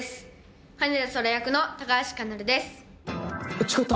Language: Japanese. あ違った！